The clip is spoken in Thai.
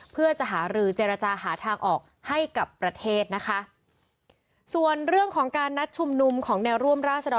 เพื่อจะหารือเจรจาหาทางออกให้กับประเทศนะคะส่วนเรื่องของการนัดชุมนุมของแนวร่วมราศดร